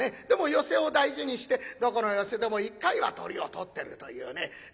でも寄席を大事にしてどこの寄席でも１回はトリを取ってるというね。